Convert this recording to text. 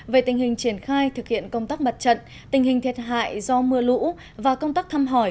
về tình hình triển khai thực hiện công tác mặt trận tình hình thiệt hại do mưa lũ và công tác thăm hỏi